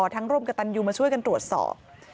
ร่วมกับตันยูมาช่วยกันตรวจสอบ